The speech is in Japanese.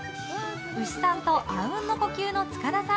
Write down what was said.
牛さんと阿吽の呼吸の塚田さん。